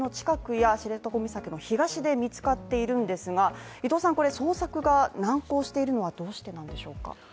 いずれも知床岬の近くや知床岬の東で見つかっているんですが捜索が難航しているのはどうしてなんでしょうか